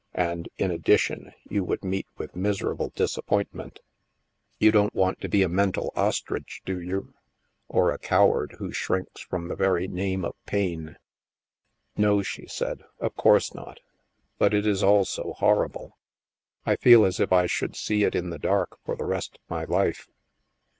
And, in addition, you would meet with miserable disappointment. You don't want to 78 THE MASK be a mental ostrich, do you? Or a coward who shrinks from the very name of pain? "" No/' she said, " of course not. But it is all so horrible. I feel as if I should see it in the dark for the rest of my life."